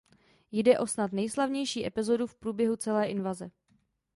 Jde o snad nejslavnější epizodu v průběhu celé invaze.